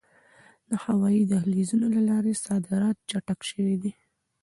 د هوایي دهلیزونو له لارې صادرات چټک شوي دي.